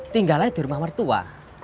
tinggal aja di rumah mertua